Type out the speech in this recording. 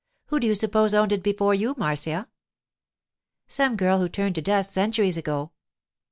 'Who do you suppose owned it before you, Marcia?' 'Some girl who turned to dust centuries ago.